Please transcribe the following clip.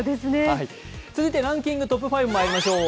続いてランキング、トップ５まいりましょう。